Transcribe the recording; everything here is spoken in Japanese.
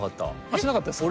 しなかったですか？